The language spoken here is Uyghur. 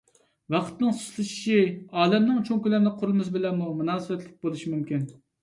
ۋاقىتنىڭ سۇسلىشىشى ئالەمنىڭ چوڭ كۆلەملىك قۇرۇلمىسى بىلەنمۇ مۇناسىۋەتلىك بولۇشى مۇمكىن.